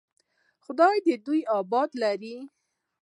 خداى دې يې اباد لري.